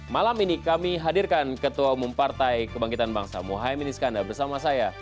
malam ini kami hadirkan ketua umum partai kebangkitan bangsa mohaimin iskandar bersama saya